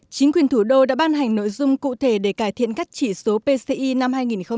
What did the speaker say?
chính quyền thủ đô đã ban hành nội dung cụ thể để cải thiện các chỉ số pci năm hai nghìn một mươi chín